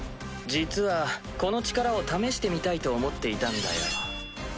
実はこの力を試してみたいと思っていたんだよ。